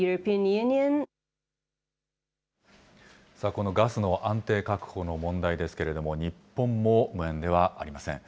このガスの安定確保の問題ですけれども、日本も無縁ではありません。